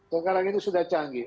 sekarang itu sudah canggih